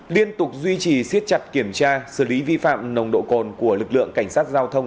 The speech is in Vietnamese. liên tục duy trì siết chặt kiểm tra xử lý vi phạm nồng độ cồn của lực lượng cảnh sát giao thông